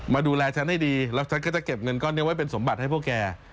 ดูแลฉันให้ดีแล้วฉันก็จะเก็บเงินก้อนนี้ไว้เป็นสมบัติให้พวกแก